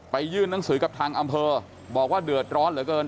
ยื่นหนังสือกับทางอำเภอบอกว่าเดือดร้อนเหลือเกิน